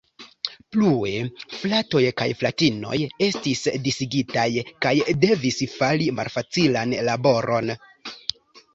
Plue, fratoj kaj fratinoj estis disigitaj kaj devis fari malfacilan laboron.